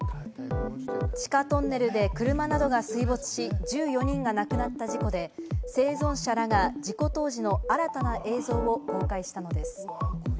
地下トンネルで車などが水没し、１４人が亡くなった事故で、生存者らが事故当時の新たな映像を公開したのです。